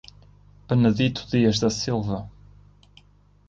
Benedito Dias da Silva